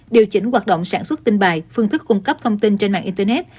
điều chỉnh hoạt động sản xuất tin bài phương thức cung cấp thông tin trên mạng internet